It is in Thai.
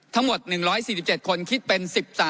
ทั้งหมด๑๔๗คนคิดเป็น๑๓